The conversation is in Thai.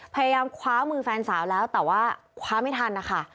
พยายามคว้ามือแฟนสาวแล้วแต่ว่าคว้าไม่ทันนะคะ